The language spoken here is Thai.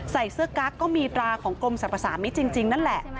ใส่เสื้อกั๊กก็มีตราของกรมสรรพสามิตรจริงนั่นแหละ